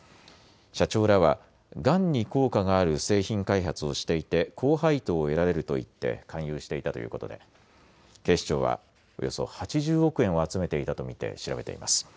社長らはがんに効果がある製品開発をしていて高配当を得られると言って勧誘していたということで警視庁はおよそ８０億円を集めていたと見て調べています。